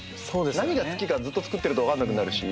何が好きかずっと作ってると分かんなくなるし。